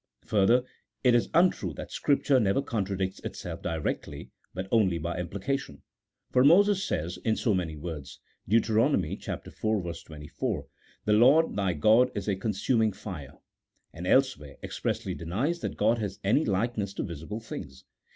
Further, it is untrue that Scripture never contradicts itself directly, but only by implication. For Moses says, in so many words (Deut. iv. 24), " The Lord thy God is a consuming fire," and elsewhere expressly denies that God has any likeness to visible things.